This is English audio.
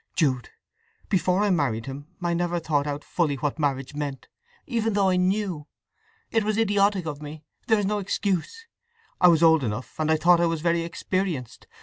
Jude, before I married him I had never thought out fully what marriage meant, even though I knew. It was idiotic of me—there is no excuse. I was old enough, and I thought I was very experienced.